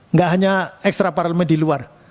enggak hanya ekstra paralel di luar